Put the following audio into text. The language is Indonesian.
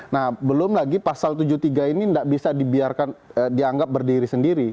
nah belum lagi pasal tujuh puluh tiga ini tidak bisa dibiarkan dianggap berdiri sendiri